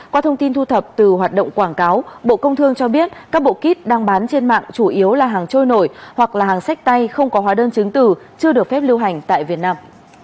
qua thông tin thu thập từ hoạt động quảng cáo bộ công thương cho biết các bộ kit đang bán trên mạng chủ yếu là hàng trôi nổi hoặc là hàng sách tay không có hóa đơn chứng từ chưa được phép lưu hành tại việt nam